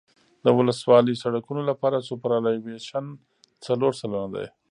د ولسوالي سرکونو لپاره سوپرایلیویشن څلور سلنه دی